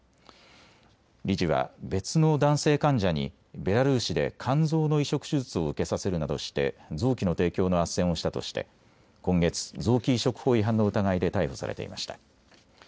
理事は別の男性患者にベラルーシで肝臓の移植手術を受けさせるなどして臓器の提供のあっせんをしたとして今月、臓器移植法違反の疑いで逮捕されていました。